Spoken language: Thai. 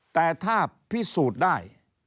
แต่ถ้าพิสูจน์ได้